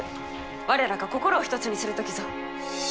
我らが心を一つにする時ぞ。